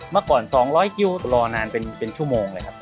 เมื่อก่อน๒๐๐คิวรอนานเป็นชั่วโมงเลยครับ